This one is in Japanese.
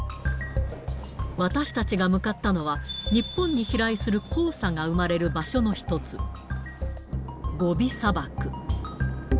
私たちが向かったのは、日本に飛来する黄砂が生まれる場所の一つ、ゴビ砂漠。